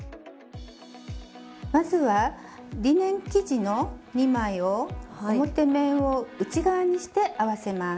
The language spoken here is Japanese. まずはリネン生地の２枚を表面を内側にして合わせます。